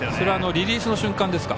リリースの瞬間ですか。